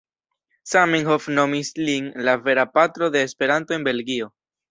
Zamenhof nomis lin "la vera patro de Esperanto en Belgio".